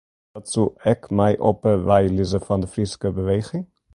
Dat soe ek mei op ’e wei lizze fan de Fryske Beweging.